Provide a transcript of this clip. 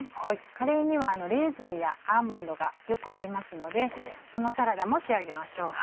カレーにはレーズンやアーモンドがよく合いますのでそのサラダも仕上げましょう。